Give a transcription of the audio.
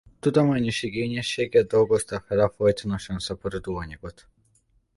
Tudományos igényességgel dolgozta fel a folytonosan szaporodó anyagot.